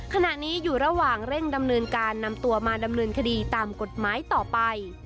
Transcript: ขณะนี้อยู่ระหว่างเร่งดำเนินการนำตัวมาดำเนินคดีตามกฎหมายต่อไป